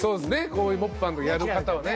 こういうモッパンをやる方はね。